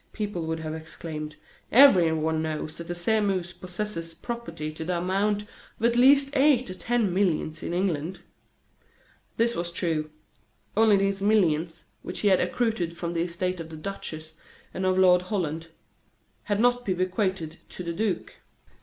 people would have exclaimed, "everyone knows that the Sairmeuse possesses property to the amount of at least eight or ten millions, in England." This was true. Only these millions, which had accrued from the estate of the duchess and of Lord Holland, had not been bequeathed to the duke.